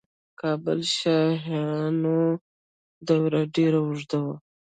د کابل شاهانو دوره ډیره اوږده وه